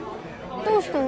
どうしたの？